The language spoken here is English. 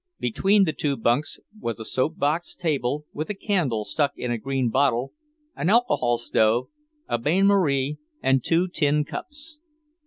Between the two bunks was a soap box table, with a candle stuck in a green bottle, an alcohol stove, a bainmarie, and two tin cups.